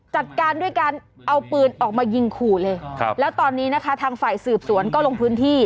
จัดการด้วยการเอาปืนออกมายิงขู่เลยครับแล้วตอนนี้นะคะทางฝ่ายสืบสวนก็ลงพื้นที่